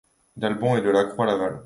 D'albon et de Lacroix-Laval.